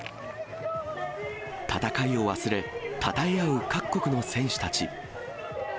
戦いを忘れ、たたえ合う各国の選手たち。